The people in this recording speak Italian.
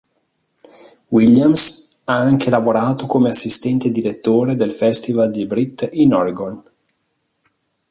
Williams ha anche lavorato come assistente direttore del Festival di Britt in Oregon.